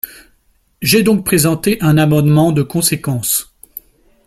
J’ai donc présenté un amendement de conséquence.